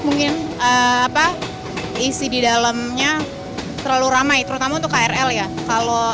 mungkin apa isi di dalamnya terlalu ramai terutama untuk krl ya kalau